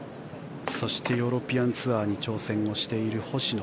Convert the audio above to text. そしてヨーロピアンツアーに挑戦をしている星野。